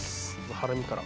ハラミから。